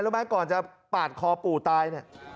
แล้วแม่ก่อนจะปากคอปูตาย